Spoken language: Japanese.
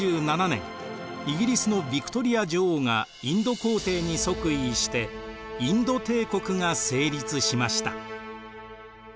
イギリスのヴィクトリア女王がインド皇帝に即位してインド帝国が成立しました。